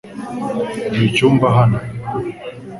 Duhe icyumba hano .